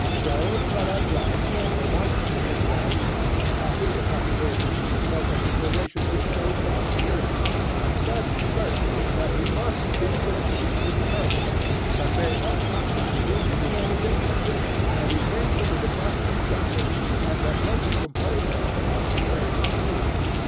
So that at last, for once in his life, Akaky Akakiyevich felt an inclination to show some spirit, and said curtly that he must see the chief in person, that they ought not to presume to refuse him entrance, that he came from the department of justice, and that when he complained of them, they would see.